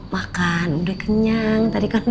makan udah kenyang